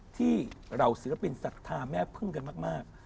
ที่เหล่าเสื้อเป็นศักดิ์ภาคแม่พึ่งกันมาก